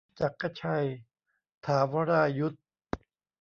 จักรชัย ถาวรายุศม์